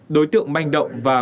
đối tượng manh động và cướp tài sản